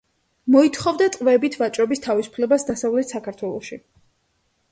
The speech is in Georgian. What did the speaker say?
მოითხოვდა ტყვეებით ვაჭრობის თავისუფლებას დასავლეთ საქართველოში.